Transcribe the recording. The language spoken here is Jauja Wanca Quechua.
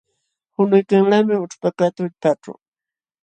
Qunuykanlaqmi ućhpakaq tullpaaćhu.